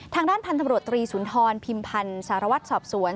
ทางด้านพันธุ์ตำรวจตรีศูนย์ทรพิมพันธุ์สารวัตรสอบสวน